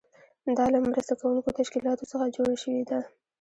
دا له مرسته کوونکو تشکیلاتو څخه جوړه شوې ده.